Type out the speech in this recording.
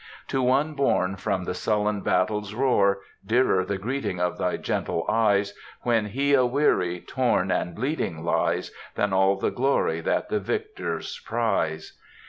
"To one borne from the sullen battle's roar, Dearer the greeting of thy gentle eyes, When he aweary, torn, and bleeding lies, Than all the glory that the victors prize.